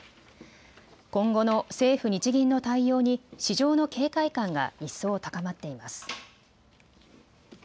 今後の政府・日銀の対応に市場の警戒感が一層高まっています。